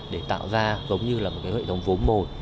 để tạo ra giống như là một cái hệ thống vốn mồi